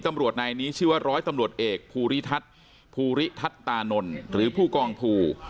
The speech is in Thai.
ตำรวจนายนี้ชื่อว่าร้อยตำรวจเอกภูริทัศน์ภูริทัศตานนท์หรือผู้กองภู